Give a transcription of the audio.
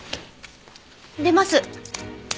出ます。